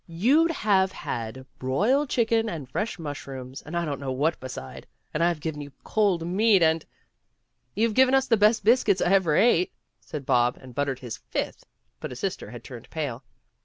You'd have had broiled chicken and fresh mushrooms and I don't know what beside, and I've given you cold meat and " "You've given us the best biscuits I ever ate," said Bob, and buttered his fifth, but his sister had turned pale.